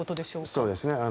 そうですね。